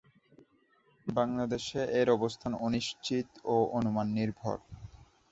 বাংলাদেশে এর অবস্থান অনিশ্চিত ও অনুমান নির্ভর।